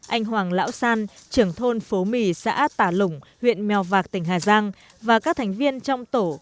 anh hoàng lão san trưởng thôn phố mì xã tà lũng huyện mèo vạc tỉnh hà giang và các thành viên trong tổ